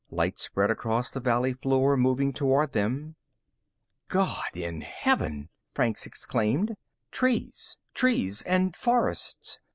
Light spread across the valley floor, moving toward them. "God in heaven!" Franks exclaimed. Trees, trees and forests.